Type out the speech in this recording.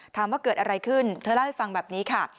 ถามว่าเกิดอะไรขึ้นเธอเล่าให้ฟังแบบนี้ค่ะ